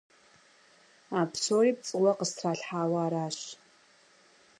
А псори пцӀыуэ къыстралъхьауэ аращ.